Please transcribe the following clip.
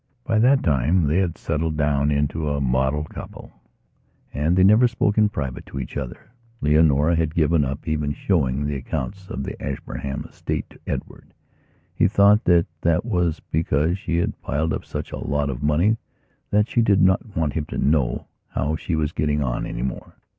By that time they had settled down into a model couple and they never spoke in private to each other. Leonora had given up even showing the accounts of the Ashburnham estate to Edward. He thought that that was because she had piled up such a lot of money that she did not want him to know how she was getting on any more.